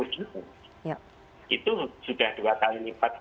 jumlah siswa kita di indonesia itu sudah sampai enam puluh juta